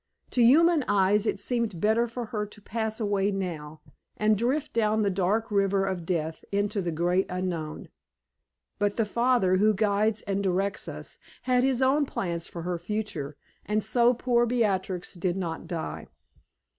To human eyes it seemed better for her to pass away now, and drift down the dark river of death into the great unknown. But the Father, who guides and directs us, had His own plans for her future, and so poor Beatrix did not die.